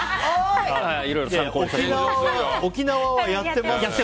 沖縄はやってますよ。